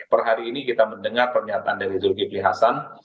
perhari ini kita mendengar pernyataan dari dulkifli hasan